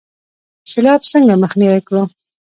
سیلاب څنګه مخنیوی کړو؟